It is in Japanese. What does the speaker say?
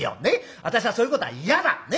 私はそういうことは嫌だ！ね？